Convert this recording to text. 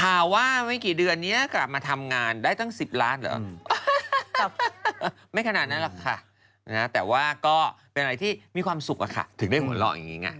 ข่าวว่าไม่กี่เดือนนี้กลับมาทำงานได้ตั้ง๑๐ล้านเหรอไม่ขนาดนั้นหรอกค่ะนะแต่ว่าก็เป็นอะไรที่มีความสุขอะค่ะถึงได้หัวเราะอย่างนี้ไง